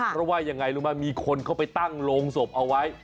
เพราะว่ายังไงรู้ไหมมีคนเข้าไปตั้งโรงศพเอาไว้